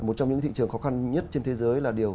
một trong những thị trường khó khăn nhất trên thế giới là điều